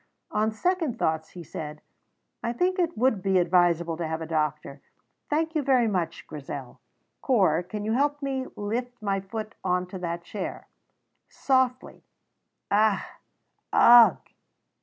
"On second thoughts," he said, "I think it would be advisable to have a doctor. Thank you very much, Grizel. Corp, can you help me to lift my foot on to that chair? Softly ah! ugh!"